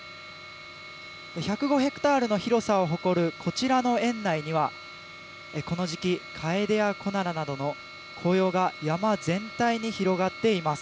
１０５ヘクタールの広さを誇るこちらの園内にはこの時期かえでやこならなどの紅葉が山全体に広がっています。